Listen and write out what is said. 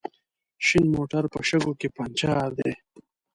شين موټر په شګو کې پنچر دی